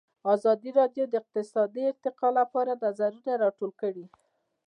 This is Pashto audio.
ازادي راډیو د اقتصاد د ارتقا لپاره نظرونه راټول کړي.